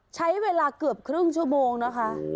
ใช้เวลาเกือบครึ่งชั่วโมงนะคะ